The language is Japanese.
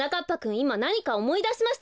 いまなにかおもいだしましたね。